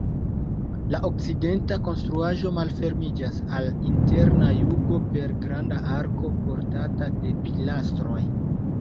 La okcidenta konstruaĵo malfermiĝas al la intera jugo per granda arko portata de pilastroj.